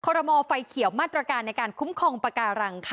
คอลโรมอล์ไฟเขียวมาตรการในการคุ้มครองปากาหลัง